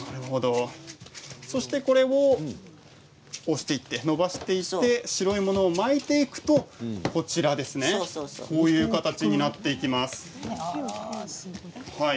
そしてこれをのばしていって白いものを巻いていくとこういう形になっていきます。